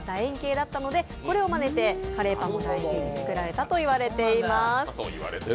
円形だったためこれをまねてカレーパンがだ円に作られたと言われています。